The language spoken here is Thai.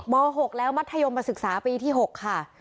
๖แล้วมัธยมมาศึกษาปีที่๖ค่ะ